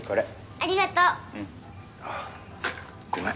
ありがとう。ごめん。